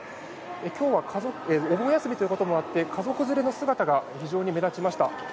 今日はお盆休みということもあって家族連れの姿が非常に目立ちました。